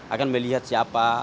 akan melihat siapa